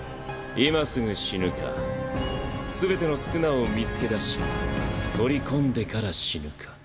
今すぐ死ぬか全ての宿儺を見つけ出し取り込んでから死ぬか。